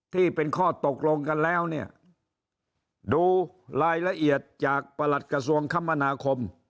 ที่เป็นข้อตกลงกันแล้วเนี่ยดูรายละเอียดจากประหลัดกระทรวงคมนาคม